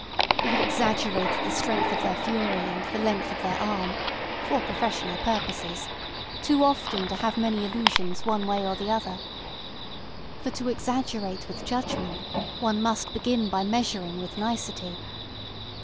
He had exaggerated the strength of their fury and the length of their arm (for professional purposes) too often to have many illusions one way or the other. For to exaggerate with judgment one must begin by measuring with nicety.